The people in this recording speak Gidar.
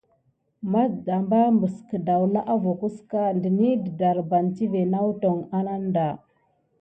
Matdamba məs kədawla abbockəka ɗənəhi dədarbane tivé nawtoŋ ananda.